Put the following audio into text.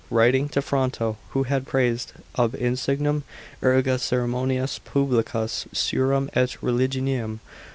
Writing to Fronto, who had praised * Ob insignem erga caerimonias publicas curam et religionem.